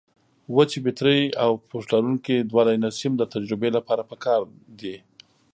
وچې بټرۍ او پوښ لرونکي دوه لینه سیم د تجربې لپاره پکار دي.